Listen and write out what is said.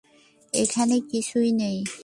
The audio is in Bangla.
এখনো কিছুই নেই।